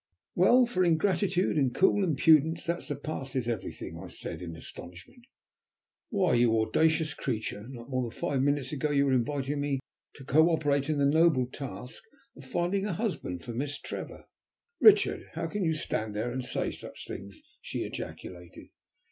"Well, for ingratitude and cool impudence, that surpasses everything!" I said in astonishment. "Why, you audacious creature, not more than five minutes ago you were inviting me to co operate in the noble task of finding a husband for Miss Trevor!" "Richard, how can you stand there and say such things?" she ejaculated.